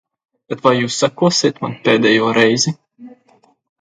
Bet vai jūs sekosiet man pēdējo reizi?